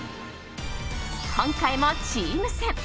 今回もチーム戦。